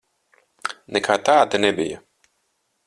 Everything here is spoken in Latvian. Nekā tāda nebija.